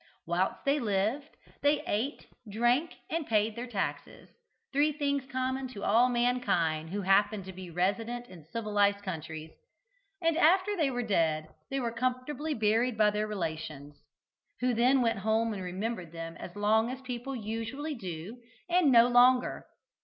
Whilst they lived they ate, drank, and paid their taxes three things common to all mankind who happen to be resident in civilized countries and after they were dead they were comfortably buried by their relations, who then went home and remembered them as long as people usually do, and no longer.